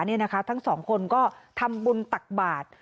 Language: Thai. นี่นะคะทั้งสองคนก็ทำบุญตักบาท